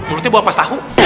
mulutnya buang pas tahu